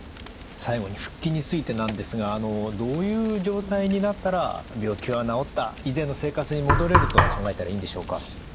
最後に復帰についてなんですがどういう状態になったら病気は治った以前の生活に戻れると考えたらいいんでしょうか？